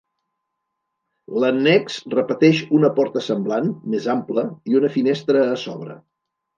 L’annex repeteix una porta semblant, més ample, i una finestra a sobre.